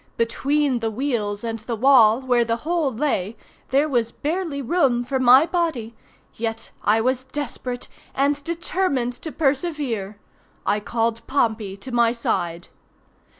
Between the wheels and the wall where the hole lay there was barely room for my body—yet I was desperate, and determined to persevere. I called Pompey to my side.